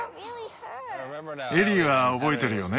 エリーは覚えてるよね？